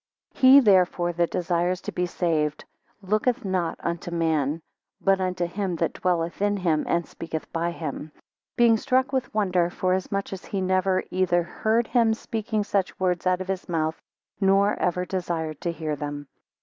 23 He therefore that desires to be saved looketh not unto the man, but unto him that dwelleth in him, and speaketh by him; being struck with wonder, forasmuch as he never either heard him speaking such words out of his mouth, nor ever desired to hear them.